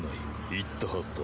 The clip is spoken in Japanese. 言ったはずだ。